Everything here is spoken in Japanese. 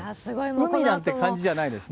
海って感じじゃないですね。